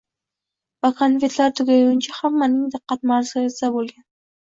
va konfetlari tugaguncha hammaning diqqat markazida bo‘lgan.